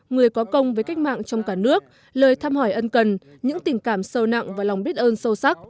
người có công với cách mạng trong cả nước lời thăm hỏi ân cần những tình cảm sâu nặng và lòng biết ơn sâu sắc